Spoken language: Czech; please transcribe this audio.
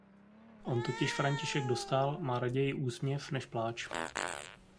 On totiž František Dostál má raději úsměv než pláč.